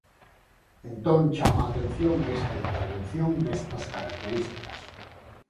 Entón chama a atención esta intervención destas características.